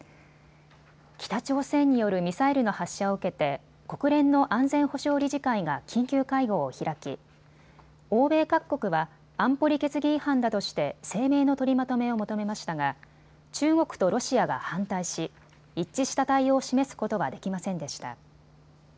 北朝鮮によるミサイルの発射を受けて国連の安全保障理事会が緊急会合を開き欧米各国は安保理決議違反だとして声明の取りまとめを求めましたが中国とロシアが反対し一致した対応を示すことはできませんでした。